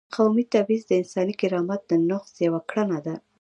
قومي تبعیض د انساني کرامت د نقض یوه کړنه ده.